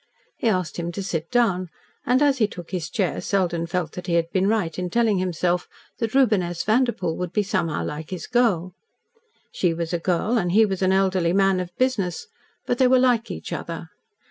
He asked him to sit down, and as he took his chair Selden felt that he had been right in telling himself that Reuben S. Vanderpoel would be somehow like his girl. She was a girl, and he was an elderly man of business, but they were like each other.